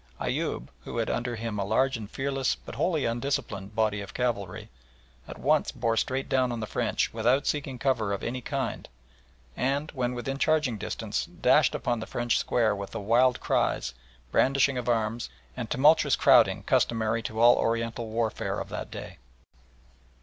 Eyoub, who had under him a large and fearless, but wholly undisciplined, body of cavalry, at once bore straight down on the French without seeking cover of any kind, and, when within charging distance, dashed upon the French square with the wild cries, brandishing of arms, and tumultuous crowding customary to all Oriental warfare of that day.